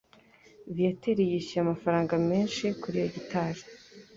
Viateur yishyuye amafaranga menshi kuri iyo gitari.